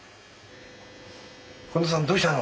「近藤さんどうしたの？